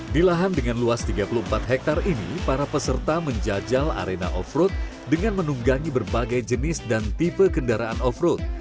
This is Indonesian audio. di lahan dengan luas tiga puluh empat hektare ini para peserta menjajal arena off road dengan menunggangi berbagai jenis dan tipe kendaraan off road